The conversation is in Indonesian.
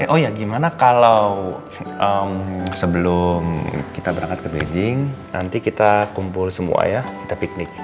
oh ya gimana kalau sebelum kita berangkat ke beijing nanti kita kumpul semua ya kita piknik